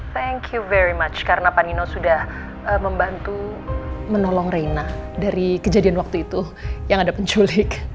thank you very match karena panino sudah membantu menolong reina dari kejadian waktu itu yang ada penculik